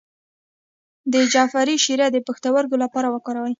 د جعفری شیره د پښتورګو لپاره وکاروئ